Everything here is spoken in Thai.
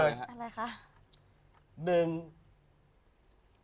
อะไรคะ